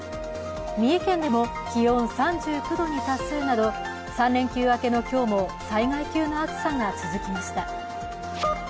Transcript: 三重県でも気温３９度に達するなど、３連休明けの今日も災害級の暑さが続きました。